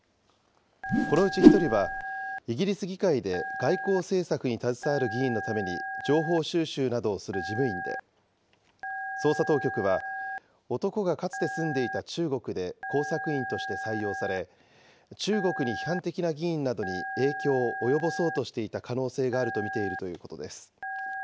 このうち１人は、イギリス議会で外交政策に携わる議員のために情報収集などをする事務員で、捜査当局は、男がかつて住んでいた中国で、工作員として採用され、中国に批判的な議員などに影響を及ぼそうとしていた可能性があると見ているということです。